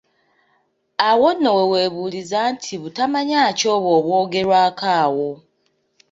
Awo nno we weebuuliza nti butamanya ki obwo obwogerwako awo?